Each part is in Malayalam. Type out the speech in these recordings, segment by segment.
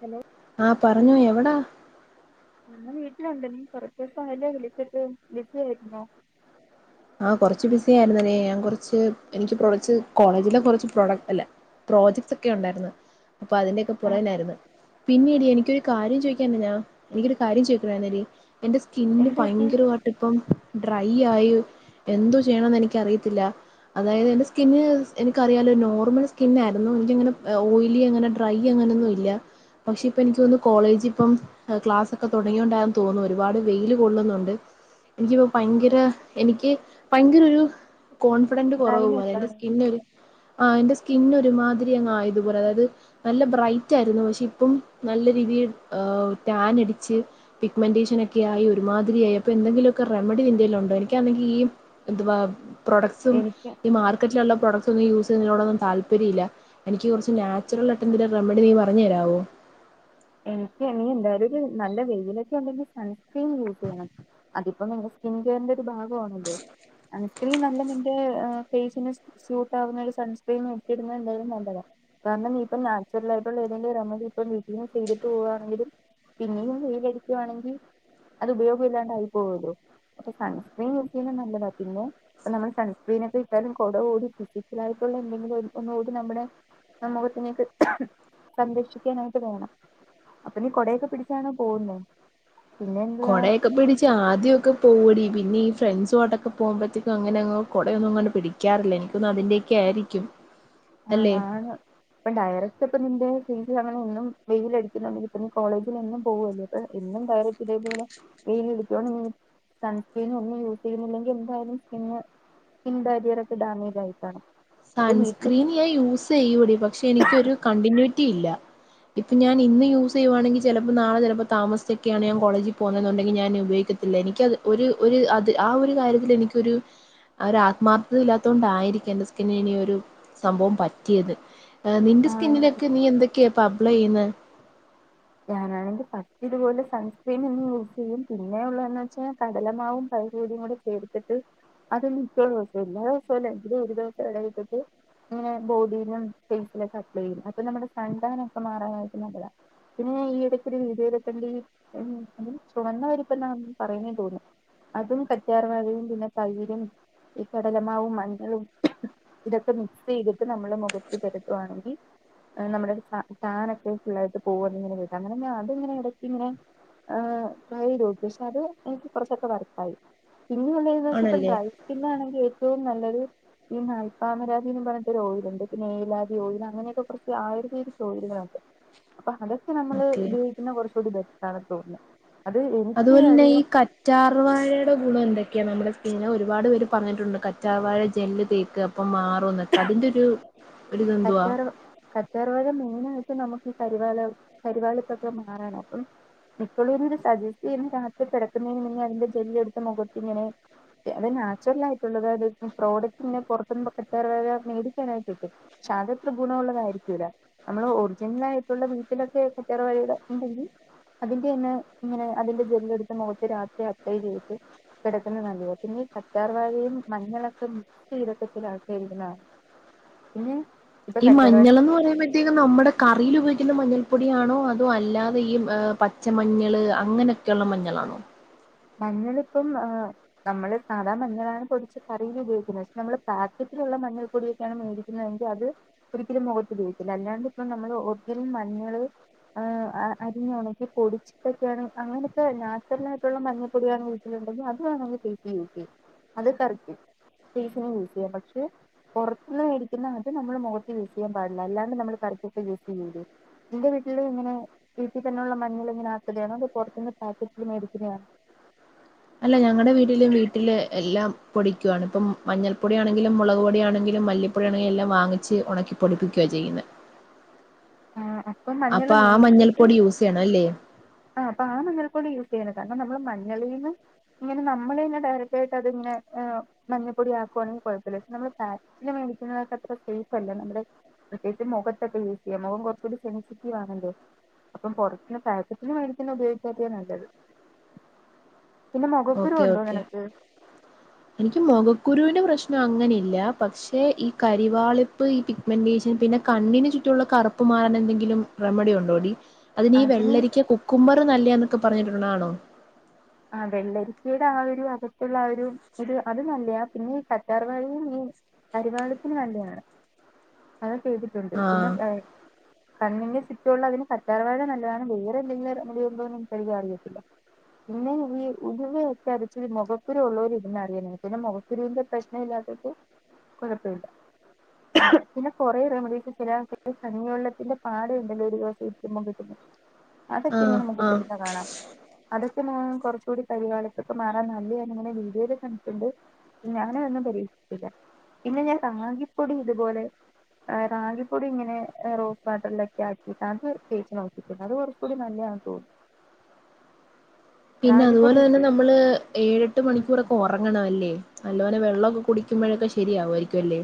ഹലോ ആഹ പറഞ്ഞോ എവിടാ ഉം ഞാൻ വീട്ടിലുണ്ട് നീ കൊറച്ചീസം ആയല്ലോ വിളിച്ചിട്ട് ബിസി ആയിര്ന്നോ ആഹ കുറച്ച് ബിസി ആയിരുന്നനെ ഞാൻ കുറച്ച് എനിക്ക് പ്രൊഡക്റ്റ്സ് കോളേജിലെ കുറച്ച് പ്രോഡക്റ്റ് അല്ല പ്രോജക്ട്സ് ഒക്കെ ഉണ്ടായിരുന്നു അപ്പൊ അതിന്റെ ഒക്കെ പൊറകിലാരുന്നു പിന്നെടി എനിക്കൊരു കാര്യം ചോദിക്കാ ഞാ എനിക്കൊരു കാര്യം ചോദിക്കണേന്നെടി എന്റെ സ്കിന്ന് എന്ത് പറ്റി ഭയങ്കരയിട്ട് ഇപ്പം ഡ്രൈ ആയി എന്തോ ചെയ്യണംന്ന് എനിക്കറിയത്തില്ല അതായത് എന്റെ സ്കിന്ന് എനിക്കറിയാലോ നോർമൽ സ്കിന്നായിരുന്നു എനിക്കങ്ങനെ ഓയിലി അങ്ങനെ ഡ്രൈ അങ്ങനെയൊന്നും ഇല്ല പക്ഷെ ഇപ്പം എനിക്ക് തോന്നു കോളേജ് ഇപ്പം ക്ലാസ് ഒക്കെ തൊടങ്ങിയൊണ്ടാന്ന് തോന്നുന്നു ഒരുപാട് വെയില് കൊള്ളുന്നുണ്ട് എനിക്കിപ്പോ ഭയങ്കര എനിക്ക് ഭയങ്കര ഒരു കോൺഫിഡന്റ് കുറവ് പോലെ ഡ്രൈനെസ് എന്റെ ആണോ സ്കിന്ന് ഒരു ആഹ് എന്റെ സ്കിന്ന് ഒരുമാതിരി അങ്ങ് ആയതുപോലെ അതായത് നല്ല ബ്രൈറ്റ് ആയിരുന്നു പക്ഷെ ഇപ്പം നല്ല രീതിയിൽ ആഹ് ടാന് അടിച്ച് പിഗ്മെന്റെഷനൊക്കെ ആയി ഒരുമാതിരി ആയപ്പോ എന്തങ്കിലൊക്കെ റെമഡി എന്തേലും ഉണ്ടോ എനിക്കാണെങ്കി ഈ എന്തുവാ പ്രൊഡക്സും എനിക്ക് ഈ മാ ർക്കറ്റിലുള്ള പ്രൊഡക്ട്സൊന്നും യൂസ് ചെയുന്നതിനോടൊന്നും താല്പര്യല്ല. എനിക്ക് കൊറച്ച് നാച്ചുറൽ ആയിട്ടുള്ള റെമഡി നീ പറഞ്ഞു തരാവോ. എനിക്ക് നീ എന്തായാലും ഒരു നല്ല വെയിലൊക്കെ ഉണ്ടെങ്കിൽ സൺസ്ക്രീൻ യൂസ് ചെയ്യണം അതിപ്പോ സ്കിൻ കെയറിന്റെ ഒരു ഭാഗവാണല്ലോ. [unintelligible] നല്ല നിന്റെ ഏഹ് ഫെയ്സിന് സൂട്ടാകുന്ന ഒരു സൺസ്ക്രീൻ ഇട്ടിരുന്നേ എന്തായാലും നല്ലതാ. കാരണം ഈപ്പം നാച്ചുറൽ ആയിട്ടുള്ള ഏതെങ്കിലും റെമഡിപ്പോ വീട്ടിന്ന് ചെയ്തിട്ട് പോവാണെങ്കിലും പിന്നെയും വെയിലടിക്കുവാണെങ്കി അത് ഉപയോഗം ഇല്ലാണ്ട് ആയി പോവോല്ലോ അപ്പോ സൺസ്ക്രീൻ യൂസെയ്യുന്നത് നല്ലതാ പിന്നെ ഇപ്പ നമ്മള് സൺസ്ക്രീന് ഒക്കെ ഇട്ടാലും കൊടചൂടി ഫിസിക്കിലായിട്ടുള്ള എന്തെങ്കിലും ഒന്നുകൂടി നമ്മുടെ ആ മുഖത്തിനേക്ക് സംരക്ഷിക്കാനായിട്ട് പോണം. അപ്പൊ നീ കൊടയൊക്കെ പിടിച്ചാണോ പോവുന്നേ പിന്നെ എന്തുവാ ഒക്കെ പിടിച്ച് ആദ്യവൊക്കെ പോവൊടി പിന്നെ ഈ ഫ്രണ്ട്സാട്ടൊക്കെ പോകുമ്പഴത്തേക്ക്‌ അങ്ങനെങ് കൊട ഒന്നും അങ്ങ് പിടി ക്കാറില്ല ഇൻക്കോന്ന്ണ് അതിന്റെയൊക്കെ ആയിരിക്കും. ആഹ് അല്ലെ ആണ് ഇപ്പൊ ഡയറക്ട് ഇപ്പൊ നിന്റെ ഫെസ് അങ്ങനെ ഒന്നും വെയിൽ അടിക്കുന്നുണ്ടെങ്കിൽ ഇപ്പൊ നീ കോളേജിൽ എന്നും പോവല്ലേ. ഇപ്പ എന്നും ഡയറക്റ്റ് ഇതേപോലെ വെയിൽ അടിക്കുവാണേ സൺസ്ക്രീൻ ഒന്നും യൂസ് ചെയ്യുന്നില്ലെങ്കിൽ എന്തായാലും സ്കിന്ന്‌ [unintelligible] ഡാമേജ് ആയിക്കാണും സൺസ്ക്രീൻ ഞാൻ യൂസെയ്യൂടി പക്ഷെ എനിക്കൊരു കണ്ടിന്യൂറ്റി ഇല്ല. ഇപ്പൊ ഞാൻ ഇന്ന് യൂസെയ്യുവാണെങ്കി ചെലപ്പോ നാളെ ചെലപ്പോ താമസിച്ചൊക്കെയാണ് ഞാൻ കോളേജി പോവുന്നതെന്നുണ്ടെങ്കിൽ ഞാൻ ഉപയോഗിക്ക ത്തില്ല എനിക്കത് ഒരു ര് അത് ആ ഒരു കാര്യത്തിൽ എനിക്കൊരു ഒര ആത്മാർത്ഥത ഇല്ലാത്തതു കൊണ്ടായിയിരിക്കാം എന്റെ സ് പിന്നെ ഇനി ഒരു സംഭവം പറ്റിയത് നിന്റെ ആഹ് സ്കിന്നിലൊക്കെ നീ എന്തൊ ക്കെ ഇപ്പോ അപ്ലൈ ചെയ്യുന്നേ ഞാനാണെങ്കി ഫസ്റ്റ് ഇതുപോലെ സൺസ്ക്രീൻ ഒന്ന് യൂസ് ചെയ്യും പിന്നെ ഉള്ളതന്ന് വെച്ചാൽ കടലമാവും പയറ് പൊടിയും കൂടി എടുത്തിട്ട് അത് മിക്ക ദിവസം എല്ലാ ദിവസല്ലെ എങ്കിലും ഒരു ദിവസം ഇട വിട്ടിട്ട് ഇങ്ങനെ ബോഡിയിലും ഫേസിലും ഒക്കെ അപ്ലൈ ചെയ്യും അപ്പൊ നമ്മുടെ സൺ ടാനൊക്കെ മാറാനായിട്ട് നല്ലതാ പിന്നെ ഈ ഇടയ്ക്കൊരു വീഡിയോലോക്കെണ്ട് ചുമന്ന പരിപ്പ് എന്നാ പറയുന്നേ തോന്നുന്നു അതും കറ്റാർ വാഴയും പിന്നെ തൈരും ഈ കടലമാവും മഞ്ഞളും ഇതൊക്കെ മിക്സ് ചെയ്തിട്ട് നമ്മള് മുഖത്ത് പുരട്ടുവാണെങ്കി ഏഹ് നമ്മളെ ടാനൊക്കെ ഫുള്ളായിട്ട് പോകും അത് ഇങ്ങനെ എടക്ക് ഇങ്ങനെ ആഹ് ട്രൈ ചെയ്തോക്കി പക്ഷെ അത് ഇൻക്ക് കുറച്ചൊക്കെ വർ ത്തായി പിന്നെ ഉള്ളന്ന് വച്ച ഇപ്പ ആണല്ലേ ഡ്രൈ സ്കിൻ ആണെങ്കി ഏറ്റവും നല്ലത് ഈ നൽപ്പാമരാതി എന്നും പറഞ്ഞിട്ട് ഒരു ഓയിലുണ്ട് പിന്ന ഏലാതി ഓയിൽ അങ്ങനെയൊക്കെ കൊറച്ച് ആയുർവേദിക് ഓയിലുകളുണ്ട് അപ്പൊ അതൊക്കെ നമ്മള് ഓക്കെ ഉപയോഗിക്കുന്ന കുറച്ചുകൂടി ബെറ്ററാണ് തോന്നുന്നത് അത് എനിക്ക് അധികം കച്ചാർവാഴയുടെ ഗുണം എന്തൊക്കെയാ നമ്മുടെ സ്കിന്നിന് അഹ് ഒരുപാട് പേര് പറഞ്ഞിട്ടുണ്ട് കച്ചാർവാഴ ജെല്ല് തേക്ക് അപ്പം മാ റും ന്നൊക്കെ അതിന്റെ ഒരു ഒരിതെന്തുവാ കറ്റാറു കറ്റാർ വാഴ മെയിൻ ആയിട്ട് നമുക്ക് ഈ കരിവാള കരിവാളിപ്പൊക്കെ മാറാനാ അപ്പൊ എപ്പളും ഒരു സജസ്റ്റ് രാത്രി കിടക്കുന്നതിന് അതിന്റെ ജല്ലി എടുത്ത് മുഖത്തിങ്ങനെ അത് നാച്ചുറൽ ആയിട്ടുള്ളത് അത് പ്രോഡക്റ്റിങ്ങനെ പുറത്തുന്ന് [unintelligible] മേടിക്കാനായി കിട്ടും പക്ഷേ അത് അത്ര ഗുണ മുള്ളതായിരിക്കൂല്ല നമ്മള് ഒറിജിനൽ ആയിട്ടുള്ള വീട്ടിലൊക്കെ കറ്റാർ വാഴയുടെ ഉണ്ടെങ്കിൽ അതിന്റെ തന്നെ ഇങ്ങനെ അതിന്റെ ജെല്ല് എടുത്ത് മുഖത്ത് രാത്രി അപ്ലൈ ചെയ്തിട്ട് കിടക്കുന്ന നല്ലിയത് പിന്നെ ഈ കറ്റാർ വഴയും മഞ്ഞളൊക്കെ മിക്സ് ചെയ്തിട്ട് [unintelligible] ഇട്ന്നത് കാണാം ഉം ഈ മഞ്ഞൾ എന്ന് പറയുമ്പൊ പ്രത്യേകം നമ്മുടെ കറിയിൽ ഉപയോഗിക്കുന്ന മഞ്ഞൾപ്പൊടിയാണോ അതോ അല്ലാതെ ഈ പച്ചമഞ്ഞൾ അങ്ങനെ ക്ക്ള്ള മഞ്ഞളാണോ മഞ്ഞളിപ്പം ആഹ് നമ്മള് സാധാ മഞ്ഞളാണ് പൊടിച്ച് കറിയിൽ ഉപയോഗിക്കുന്നത് പക്ഷെ നമ്മള് പാക്കറ്റിലുള്ള മഞ്ഞൾ പൊടിയൊക്കെയാണ് മേടുന്നത് ങ്കി അത് ഒരിക്കലും മുഖത്ത് ഉഭയോഗിക്കില്ല അല്ലാണ്ട് ഇപ്പ നമ്മള് ഓർജിനൽ മഞ്ഞള് അരി ഉണക്കി പൊടിച്ചിട്ടൊക്കെയാണ് അങ്ങനത്തെ നാച്ചുറൽ ആയിട്ടുള്ള മഞ്ഞ മഞ്ഞൾ പൊടിയാണ് വീട്ടിലുണ്ടെങ്കിൽ അത് വേണമെങ്കിൽ ഫെയ്സിൽ യൂസ് ചെയ്യാം അത് [unintelligible] ഫെയ്സിൽ യൂസ് ചെയ്യാം പക്ഷെ പുറത്തന്ന് മേടിക്കുന്നട്ട് നമ്മള് മുഖത്ത് യൂസ് ചെയ്യൻപാടില്ല അല്ലാണ്ട് നമ്മള് കറപ്പപ്പ്സ് [unintelligible] ചെയ്യത് നിന്റെ വീട്ടിൽ ഇങ്ങനെ വീട്ടിൽ തന്നെള്ള മഞ്ഞൾ ഇങ്ങനെ ആക്കുകയാണോ അതോ പുറത്തുന്ന് പാക്കറ്റിൽ മേടിക്കുകതാണ് അല്ല ഞങ്ങളുടെ വീട്ടിലും വീട്ടില് എല്ലാം പൊടിക്കുകയാണ് ഇപ്പം മഞ്ഞൾപ്പൊടിയാണെങ്കിലും, മുളക് പൊടിയാണെങ്കിലും, മല്ലിപ്പൊടിയാണെങ്കിലും എല്ലാം വാങ്ങിച്ച് ഉണക്കി പൊടിപ്പിക്കുകയാ ചെയ്യുന്നത് ആ ആ അപ്പൊ ആ മഞ്ഞൾപ്പൊടി യൂസ് ചെയ്യണം അല്ലേ ആ അപ്പം ആ മഞ്ഞൾ പൊടി യൂസ് ചെയ്യുന്നത് കാരണം നമ്മള് മഞ്ഞളീന്ന് ഇങ്ങനെ നമ്മള് തന്നെ ഡയറക്റ്റ് ആയിട്ട് അതിങ്ങനെ മഞ്ഞപ്പൊടി ആക്കുവാണെങ്കിൽ കുഴപ്പമില്ല പക്ഷെ നമ്മൾ പാക്കറ്റിന് മേടിക്കുന്നതൊക്ക അത്ര സേഫ് അല്ല നമ്മുടെ പ്രത്യേകിച്ച് മുഖത്തൊക്കെ യൂസ് ചെയ്യാം മുഖം കുറച്ച് കൂടി സെൻസിറ്റീവ് ആണല്ലോ അപ്പം പുറത്ത്ന്ന് പാക്കറ്റിന് മേടിക്കുന്നത് തന്നെ ഉപയോഗിച്ചാതി നല്ലത് പിന്നെ മുഖക്കുരു ഓക്കെ ഉണ്ടോ ഓക്കെ നിനക്ക് എനിക്ക് മുഖക്കുരുവിന്റെ പ്രശ്നം അങ്ങനെ ഇല്ല പക്ഷെ ഈ കരിവാളിപ്പ് ഈ മെന്റേഷൻ പിന്നെ കണ്ണിന് ചുറ്റുമുള്ള കറുപ്പ് മാറാൻ എന്തെങ്കിലും റെമഡി ഉണ്ടോടി അതിന് ഈ വെള്ളരിക്ക കുക്കുമ്പർ നല്ല എന്നൊക്കെ പറഞ്ഞിട്ടുണ്ട് ഉള്ളതാണോ ആ വെള്ളരിക്കയുടെ ആ ഒരു അകത്തുള്ള ആ ഒരു ഇത് അത് നല്ലയാ പിന്നെ ഈ കറ്റാർവാഴയും ഈ കരിവാളിപ്പിന് നല്ലയാണ് അത് ചെയ്തിട്ടുണ്ട് പിന്നെ ആഹ് ഏഹ് കണ്ണിന്റെ ചുറ്റുള്ളതിന് കറ്റാർവാഴ നല്ലതാണ് വേറെ എന്തെങ്കിലും റമഡി ഉണ്ടോന്ന് എനിക്കധികം അറിയത്തില്ല പിന്നെ ഈ ഉലുവ ഒക്കെ അരച്ച് മുഖക്കുരു ഉള്ളവര് ഇടുന്നത് അറിയ പിന്നെ മുഖക്കുരുവിന്റെ പ്രശ്ന ഇല്ലാത്തവർക്ക് കുഴപ്പമില്ല പിന്നെ കുറേ റെമഡീസ് ചില കഞ്ഞി വെള്ളത്തിന്റെ പാട ഉണ്ടല്ലോ ഒരു [unintelligible] [unintelligible] അതൊക്കെ ആഹ് ഇങ്ങനെ മഖത്തു ആഹ് ഇടുന്നെ കാണാം പിന്നെ കുറച്ച് കൂടി കരിവാളിപ്പൊക്കെ മാറാൻ നല്ലയാന്ന് ഇങ്ങനെ വീഡിയോൽ കണ്ടിട്ടുണ്ട് ഞാനതൊന്നും പരീക്ഷിച്ചില്ല പിന്നെ ഞാൻ റാഗിപ്പൊടി ഇതുപോലെ റഗി പൊടി ഇങ്ങനെ റോസ് വാട്ടറിലൊക്കെ ആക്കിയിട്ട് അത് തേച്ച് നോക്കിട്ടുണ്ട് അത് കുഴ പൊടി നല്ലതാണ് തോന്നുന്നു പിന്നെ അതുപോലെ തന്നെ റാഗിപ്പൊടിയില്ലേ നമ്മള് ഏഴെട്ട് മണിക്കൂർ ഒക്കെ ഉറങ്ങണം അല്ലേ നല്ല പോലെ വെള്ളമൊക്കെ കുടിക്കുമ്പോഴൊക്കെ ശരിയാവു ആയിരിക്കും അല്ലേ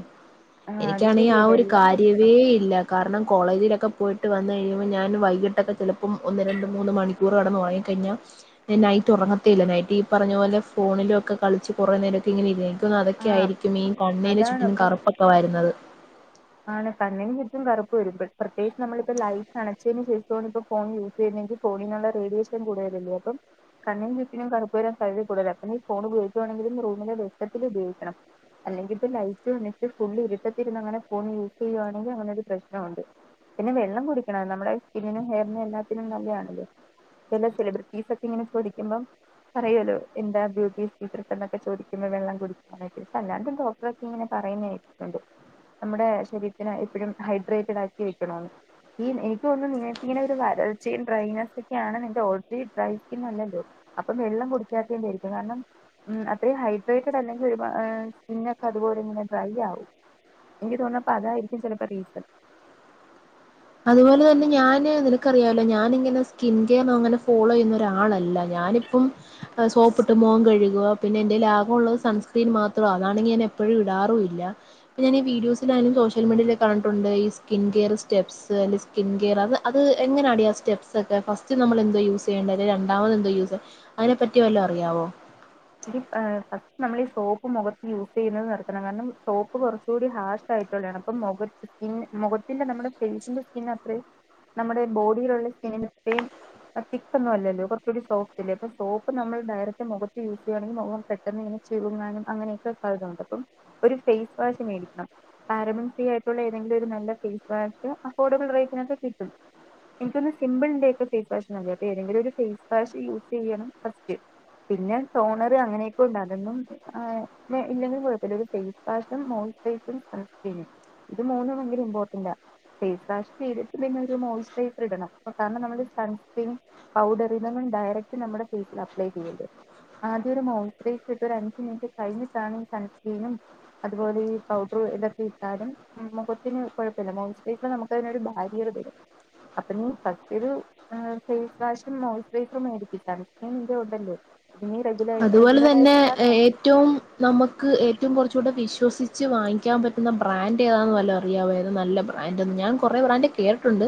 ആഹ് അത് എനിക്കാണെങ്കിൽ ആ ശരിയാ ഒരു വെള്ളം കുടിക്കണം കാര്യവേ ഇല്ല കാരണം കോളേജിലൊക്കെ പോയിട്ട് വന്ന് കഴിയുമ്പോൾ ഞാൻ വൈകിട്ടൊക്കെ ചിലപ്പം ഒന്ന് രണ്ട് മൂന്ന് മണിക്കൂ കൂടെ കടന്ന് ഒറങ്ങി കഴിഞ്ഞാൽ നൈറ്റ് ഉറങ്ങത്തേ ഇല്ല നൈറ്റ് ഈ പറഞ്ഞ പോലെ ഫോണിലൊക്കെ കളിച്ച് കുറേ നേരൊക്കെ ഇങ്ങനെ ഇരിക്ക എനിക്ക് അതൊക്കെ ആഹ് ആയിരിക്കും ഈ കണ്ണിൻ അതാണ് ചുറ്റും അപ്പം കറുപ്പൊക്കെ വരുന്നത്. ആണ് കണ്ണിന് ചുറ്റും കറുപ്പ് വരും പ്രത്യകിച്ച് നമ്മളിപ്പം ലൈറ്റ് അണച്ചതിന് ശേഷാണിപ്പം ഫോൺ യൂസ് ചെയ്യുന്നെങ്കിൽ ഫോണിനുള്ള റേഡിയേഷൻ കൂടുതലല്ലേ അപ്പം കണിനും ചുറ്റിനും കറുപ്പ് വരാൻ സാധ്യത കൂതലാ അപ്പം നീ ഫോൺ ഉപയോഗുകവാണെങ്കിലും റൂമിലെ വെട്ടത്തില് ഉപയോഗിക്കണം. അല്ലെങ്കി ഇപ്പം ലൈറ്റ് അണച് ഫുൾ ഇരുട്ടത്തിരുന്ന് അങ്ങനെ ഫോൺ യൂസ് ചെയ്യവാണെങ്കിൽ അങ്ങനൊരു പ്രശ്നമുണ്ട്. പിന്നെ വെള്ളം കുടിക്കണം നമ്മുടെ സ്കിന്നിനും ഹെയറിനും എല്ലാത്തിനും നല്ലേയാണത്. ചെല സെിബ്രിറ്റീസ് ഒക്കെ ഇങ്ങനെ ചോദിക്കുമ്പം പറയൊല്ലോ എന്താ ബ്യൂട്ടി സീക്രട്ട് എന്നൊക്കെ ചോദിക്കുമ്പോ വെള്ളം കുടി അതായത് അല്ലാണ്ടും ഡോക്ടറൊക്കെ ഇങ്ങനെ പറയുന്നെ കേട്ടിട്ടുണ്ട്. നമ്മുടെ ശരീരത്തിന് എപ്പൊഴും ഹൈഡ്രേറ്റഡ് ആക്കി വെക്കണോന്ന് ഈ എനിക്ക് തോന്നുന്നു നിങ്ങക്കിങ്ങനെ ഒരു വരൾച്ചയും ഡ്രൈനെസൊക്കെയാണ് നിന്റെ ഓൾറെഡി ഡ്രൈ സ്കിൻ അല്ലല്ലോ അപ്പൊ വെള്ളം കുടിക്കാത്തതിന്റേ ആയിരിക്കും കാരണം ഉം അത്രയും ഹൈഡ്രേറ്റഡ് അല്ലെങ്കിൽ ഒരു സ്കിന്നൊക്കെ അതുപോലെ ഇങ്ങനെ ഡ്രൈ ആവും. എനിക്ക് തോണ് ണെപ്പം അതായിരിക്കും ചിലപ്പം റീസൺ. അതുപോലെ തന്നെ ഞാന് നിനക്കറിയാല്ലോ ഞാനിങ്ങനെ സ്കിൻ കെയർ അങ്ങനെ ഫോളോ ചെയ്യുന്ന ഒരാളല്ല ഞാന് അപ്പം സോപ്പിട്ട് മൊഖം കഴുകുവാ. പിന്നെ എന്റെയിൽ ആകെ ഉള്ളത് സൺസ്ക്രീൻ മാത്രോ. അതാണെങ്കി ഞാൻ എപ്പഴും ഇടാറൂല്ല. ഞാൻ ഈ വിഡിയോസിലാനും സോഷ്യൽ മീഡിയലൊക്കെ കണ്ടിട്ടുണ്ട് ഈ സ്കിൻ കെയർ സ്റ്റെ്പ്പ്സ് ത് സ്കിൻ കെയർ അത് അത് എങ്ങനെയാടി ആ സ്റ്റെ്പസ് ഒക്കെ ഫസ്റ്റ് നമ്മൾ എന്തോ യൂസ് ചെയ്യേണ്ടത് രണ്ടാമതന്തോ യൂസ് അയിനെപ്പറ്റി വല്ലോ അറിയാവോ? ഇത് ഏ ഫസ്റ്റ് നമ്മൾ ഈ സോപ്പ് മുഖത്ത് യൂസ് ചെയ്യുന്നത് നിർത്തണം. കാരണം സോപ്പ് കുറച്ചുകൂടി ഹാർഷ് ആയിട്ടുള്ളതാണ് അപ്പൊ മുഖത്ത് സ്കിൻ മുഖത്തിന്റെ നമ്മുടെ ഫെയ്സിന്റെ സ്കിൻ അത്രയും നമ്മുടെ ബോഡിയിലുള്ള സ്കിന്റെ അത്രയും ആ തിക്കൊന്നും അല്ലല്ലോ കുറച്ചൂടി സോഫ്റ്റല്ലേ അപ്പം സോപ്പ് നമ്മൾ ഡയററ്റ് മുഖത്ത് യൂസ് ചെയാണെങ്കിൽ മുഖം പെട്ടന്ന് ഇങ്ങനെ ചുരങ്ങാനും അങ്ങനെയൊക്കെ സാധ്യതയുണ്ട് അപ്പം ഒരു ഫേസ് വാഷ് മേടിക്കണം. കാരമെൽ ഫ്രീ ആയിട്ടുള്ള ഏതെങ്കിലും ഒരു നല്ല ഫേസ് വാഷ് അഫോർഡബിൾ റേറ്റിനൊക്കെ കിട്ടും. എനിക്കോന്നെ സിമ്പിൾന്റെയൊക്കെ ഫേസ് വാഷ് നല്ല്യാ അത് ഏതെങ്കിലും ഒരു ഫേസ് വാഷ് യൂസ് ചെയ്യണം ഫസ്റ്റ് പിന്നെ ട്ടോണറ് അങ്ങനെയൊക്കെ ഉണ്ട് അതൊന്നും ഏ ഇല്ലെങ്കിൽ കുഴപ്പല്ല. ഒരു ഫേസ് വാഷും മോയിസ്രയിസറും സൺസ് ക്രീനും ഇത് മൂന്നും ഭയങ്കര ഇമ്പോർട്ടന്റാ. ഫേസ് വാഷ് ചെയ്തിട്ട് പിന്നെ ഒരു മോയ്സ്റ്ററൈസർ ഇടണം കാരണം നമ്മള് സൺസ്ക്രീന് പൗഡർ ഇതങ്ങും ഡയറക്റ്റ് നമ്മടെ ഫേസിൽ അപ്ലൈ ചെയ്യരുത്. ആദ്യ ഒരു മോയിസ്ഡ്റൈസർ ഇട്ട് ഒരു അഞ്ചു മിനിറ്റ് കഴിഞ്ഞിട്ടാണ് ഈ സൺസ്ക്റീനും അതുപോലെ ഈ പൗഡർ ഇതൊക്കെ ഇട്ടാലും ഉം മുഖത്തിന് കൊഴപ്പല്ല മോയിസ്ഡ്റൈസർ നമുക്കതിന് ഒരു ഭാര്യർ തരും അപ്പൊ നീ ഫസ്റ്റ് ഒരു ഏഹ് ഫേസ് വാഷും മോയിസ്ഡ്റൈസറും മേടിക്ക് സൺസ്ക്രീൻ നിന്റെ ഉണ്ടല്ലോ. ഇന് റെഗുല അതുപോലെ തന്നെ റെഗുലറായിട്ട് ഇടാൻ നോക്ക് ഏറ്റവും നമക്ക് ഏറ്റവും കുറച്ചുകൂടെ വിശ്വസിച്ച് വാങ്ങിക്കാൻ പറ്റുന്ന ബ്രാൻഡ് ഏതാന്ന് വല്ലൊ അറിയാവോ ഏത നല്ല ബ്രാ ബ്രാൻഡൊന്നും ഞാൻ കൊറേ ബ്രാൻഡ് കേട്ടിട്ടുണ്ട്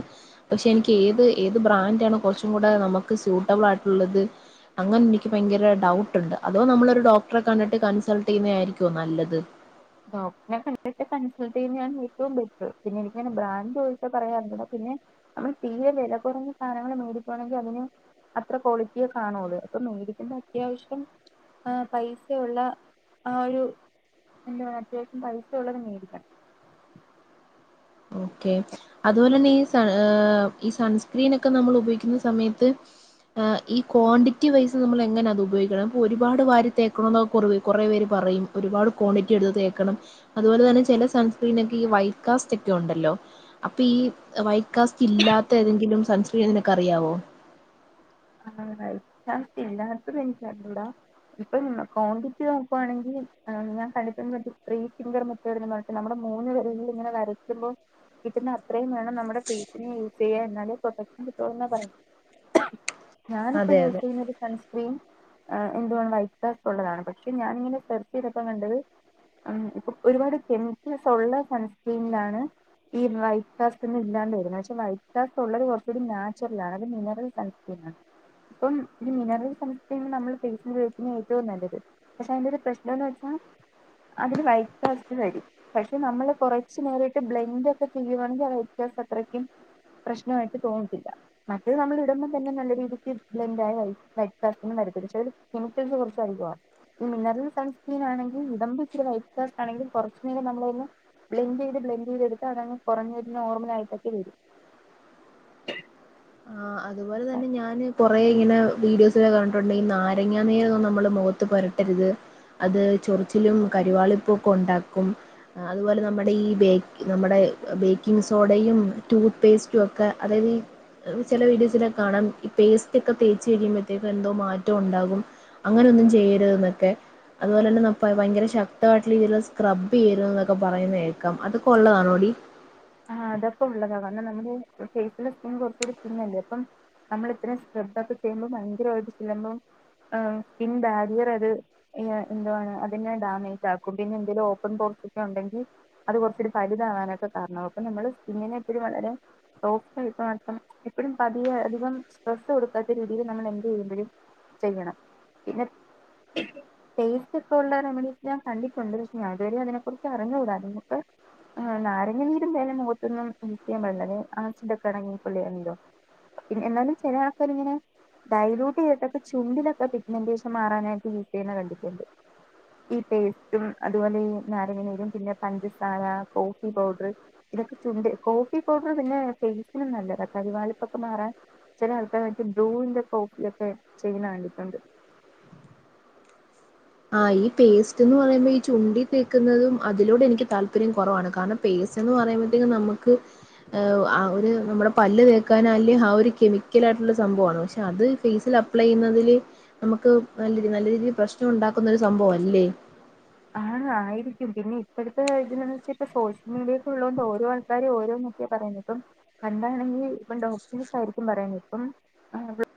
പക്ഷെ എനിക്ക് ഏത് ഏത് ബ്രാൻഡാണ് കുറച്ചും കൂടെ നമുക്ക് സ്യൂട്ടബിൾ ആയിട്ടുള്ളത് അങ്ങനെ എനിക്ക് ഭയങ്കര ഡൗ ട്ടുണ്ട് അഥവാ നമ്മളൊരു ഡോക്ടറെ കണ്ടിട്ട് കൺസൾട്ട് ചെയ്യുന്നതായിരിക്കും നല്ലത് ഡോക്ടറിനെ കണ്ടിട്ട് കൺസൾട്ട് ചെയ്യുന്നാണ് ഏറ്റവും ബെറ്റർ പിന്നെ എനിക്കങ്ങനെ ബ്രാന്റ് ചോയിച്ചാ പറയാൻ അറിഞ്ഞൂട പിന്നെ നമ്മൾ തീരെ വില കുറഞ്ഞ സാധനങ്ങള് മേടിക്കാണെങ്കിൽ അതിന് അത്ര ക്വാളിറ്റിയേ കാണുള്ളൂ അപ്പൊ മേടിക്കുന്ന അത്യാവശ്യം ആഹ് പൈസയുള്ള ആ ഒരു എന്താ അത്യാവശ്യം പൈസ ഉള്ളത് മേടിക്കണം ഓക്കെ അതുപോലെ തന്നെ ഈ സൺ ഏഹ് ഈ സൺസ്ക്രീൻ ഒക്കെ നമ്മൾ ഉപയോഗിക്കുന്ന സമയത്ത് ആഹ് ഈ ക്വാണ്ടിറ്റി വൈസ് നമ്മൾ എങ്ങനെ അത് ഉപയോഗിക്കണം അപ്പോ ഒരുപാട് വാരി തേക്കണന്നൊക്കെ കുറ കുറേ പേര് പറയും ഒരുപാട് ക്വാണ്ടിറ്റി എടുത്ത് തേക്കണം അതുപോലെ തന്നെ ചില സൺസ്ക്രീനൊക്കെ ഈ വൈറ്റ് കാസ്റ്റ് ഒക്കെ ഉണ്ട് ണ്ടല്ലോ അപ്പൊ ഈ വൈറ്റ് കാസ്റ്റ് ഇല്ലാത്ത ഏതെങ്കിലും സൺസ്ക്രീൻ നിനക്ക് അറിയാവോ ആഹ് വൈറ്റ് കാസ്റ്റ് ഇല്ലാത്തത് എനിക്ക് അറിഞ്ഞൂട ഇപ്പം ക്വാണ്ടിറ്റി നോക്കുവാണെങ്കിൽ ഞാൻ കണ്ടിട്ട്ണ്ട്പ്പ മറ്റേ ത്രീ ഫിംഗർ മെത്തേഡ്ന്ന് പറഞ്ഞിട്ട് നമ്മടെ മൂന്ന് വിരലിൽ ഇങ്ങനെ വരയ്ക്കുമ്പോ കിട്ട്ന്ന അത്രയും വേണം നമ്മുടെ ഫേസിന് യൂസ് ചെയ്യാൻ എന്നാലേ പ്രൊട്ടക്ക്ഷൻ കിട്ടുള്ളൂ ന്ന പറയ ഞാനിപ്പ അതെ യൂസ് അതെ ചെയ്യുന്നത് സൺസ്ക്രീൻ എന്തുവാണ് വൈറ്റ് കാസ്റ്റ് ഉള്ളതാണ് പക്ഷെ ഞാനിങ്ങനെ സെർച്ച് ചെയ്തപ്പൊ കണ്ടത് ഇപ്പൊ ഒരുപാട് കെമിക്കൽസ് ഉള്ള സൺസ്ക്രീനിലാണ് ഈ വൈറ്റ് കാസ്റ്റ് ഒന്നും ഇല്ലാണ്ട് വരുന്നത് പക്ഷെ വൈറ്റ് കാസ്റ്റ് ഉള്ളത് കുറച്ചുകൂടി നാച്ചുറൽ ആണ് അത് മിനറൽസ് ഇപ്പം ഈ മിനറൽ സൺസ്ക്രീൻ നമ്മൾ ഫേസിന് തേക്ക്ന്നത് ഏറ്റവും നല്ലത് പക്ഷെ അയിന്റെ ഒരു പ്രശ്നംന്ന് വെച്ചാൽ അതില് വൈറ്റ് കാസ്റ്റ് വരും പക്ഷെ നമ്മള് കൊറച്ചു നേരട്ട് ബ്ലെൻഡ് ഒക്കെ ചെയ്യുവാണെങ്കിൽ ആ വൈറ്റ് കാസ്റ്റ് അത്രയ്ക്കും പ്രശ്നായിട്ട് തോന്നത്തില്ല മറ്റേ നമ്മൾ ഇടുമ്പോ തന്നെ നല്ല രീതിക്ക് ബ്ലെൻഡായി വൈറ്റ് കാസ്റ്റ് ഒന്നും വരത്തില്ല പക്ഷേ അതില് കെമിക്കൽസ് കുറച്ച് അധികാ ഈ മിനറൽ സൺസ്ക്രീൻ ആണെങ്കിൽ ഇടുമ്പ ഇച്ചിരി വൈറ്റ്കാസ്റ്റ് ആണെങ്കിൽ കുറച്ചു നേരം നമ്മളൊന്ന് ബ്ലെൻഡ് ചെയ്ത് ബ്ലെൻഡ് ചെയ്ത് എടുത്താ അതങ്ങ് കുറഞ്ഞ് ഒരു നോർമലായിട്ടൊക്ക വരും ആഹ് അതുപോലെ തന്നെ ഞാന് പോ കുറെ ഇങ്ങനെ വീഡിയോസില് ഒക്കെ കണ്ടിട്ടുണ്ട് ഈ നാരങ്ങ നീരൊന്നും നമ്മള് മുഖത്ത് പുരട്ടരുത് അത് ചൊറിച്ചിലും കരുവാളിപ്പൊക്കെ ഉണ്ടാക്കും അതുപോലെ നമ്മുടെ ഈ ബേ നമ്മുടെ ബേക്കിംഗ് സോഡയും ടൂത്ത് പേസ്റ്റും ഒക്കെ അതായത് ചെല വീഡിയോസിൽ ഒക്കെ കാണാം ഈ പേസ്റ്റ് ഒക്കെ തേച്ച് കഴിയുമ്പോഴത്തേക്കും എന്തോ മാറ്റം ഉണ്ടാകും അങ്ങനെ ഒന്നും ചെയ്യരുത് ന്നൊക്കെ അതുപോലെ തന്നെ ന ഭയങ്കര ശക്തമായിട്ടുള്ള രീതിയിൽ സ്ക്രബ് ചെയ്യരുത് എന്നൊക്കെ പറയുന്ന കേൾക്കാം അതൊക്കെ ഉള്ളതാണോടി ആഹ് അതൊക്കെ ഉള്ളതാ കാരണം നമ്മുടെ ഫേസിലെ സ്കിൻ കുറച്ചൂടി തിന്നല്ലേ അപ്പം നമ്മൾ ഇത്രയും സ്ക്രബ് ഒക്കെ ചെയ്യുമ്പോം ഭയങ്കരമായി ചെല്ലുമ്പോ സ്കിൻ ബാരിയർ അത് ഈ എന്തുവാണ് അതിനെ ഡാമേജ് ആക്കും പിന്നെ എന്തേലും ഓപ്പൺ പോർസ് ഒക്കെ ഉണ്ടെങ്കിൽ അത് കുറച്ചൂടി വലിതാവാനൊക്കെ കാരണാവും അപ്പൊ നമ്മള് സ്കിന്നിനെ എപ്പഴും വളരെ സോഫ്റ്റ്‌ ആയിട്ട് എപ്പോഴും പതിയ അധികം സ്‌ട്രെസ് കൊടുക്കാത്ത രീതിയിൽ നമ്മൾ എന്ത് ചെയ്യുമ്പഴും ചെയ്യണം പിന്നെ പേസ്‌റ്റൊക്ക ഉള്ള റെമഡീസ് ഞാൻ കണ്ടിട്ടുണ്ട് പക്ഷെ ഞാൻ ഇതുവരേം അതിനെ കുറിച്ചറിഞ്ഞുകൂടാ നമ്മക്ക് ആഹ് നാരങ്ങനീരും തേനും മുഖത്തൊന്നും യൂസ് ചെയ്യാൻ പാടില്ല അത് ആസിഡ് ഒക്കെ അടങ്ങിയിട്ടുള്ളതാണല്ലോ പിന്നെ എന്നാലും ചില ആൾക്കാർ ഇങ്ങനെ ഡൈലൂട്ട് ചെയ്തിട്ടൊക്കെ ചുണ്ടിലൊക്കെ പിഗ്മെൻ്റേഷൻ മാറാനായിട്ട് യൂസ് ചെയ്യുന്ന കണ്ടിട്ടുണ്ട് ഈ പേസ്റ്റും അതുപോലെ ഈ നാരങ്ങ നീരും പിന്നെ പഞ്ചസാര കോഫി പൗഡറ് ഇതൊക്കെ ചുണ്ട് കോഫി പൗഡർ പിന്നെ ഫേസ്നും നല്ലതാ കരിവാളിപ്പൊക്കെ മാറാൻ ചെല ആൾക്കാര് മറ്റേ ബ്രൂവിന്റെ കോഫിയൊക്കെ ചെയ്യ്ണ കണ്ടിട്ടുണ്ട് ആഹ് ഈ പേസ്റ്റ് ന്ന് പറയുമ്പോ ഈ ചുണ്ടീ തേക്കുന്നതും അതിനോടെ എനിക്ക് താല്പര്യം കുറവാണ് കാരണം ഫേസ്ന്ന് പറയുമ്പേത്തേക്ക് നമ്മക്ക് ഏ ആ ഒര് നമ്മുടെ പല്ല് തേക്കാനെല്ലയാ ആ ഒര് കെമിക്കലായിട്ടുള്ള സംഭവാണ്. പക്ഷെ അത് ഫേസില് അ പ്ലെയ്യുന്നതില് നമുക്ക് നല്ല നല്ല രീതില് പ്രശ്നൊണ്ടാക്കുന്ന ഒരു സംഭവല്ലേ. ആഹ് ഹാ, ആയിരിക്കും. പിന്നെ ഇപ്പഴത്തെ ഇതിനെന്നെച്ചാ ഇപ്പ സോഷ്യൽ മീഡിയെക്കെള്ളത് കൊണ്ട് ഓരോ ആൾക്കാരും ഓരോന്ന് ക്കെയാ പറയുന്നെ. ഇപ്പം പണ്ടാണെങ്കി ഇപ്പം ഡോക്ടേഴ്‌സായിരിക്കും പറയുന്നത് ഇപ്പം [unintelligible]